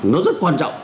nó rất quan trọng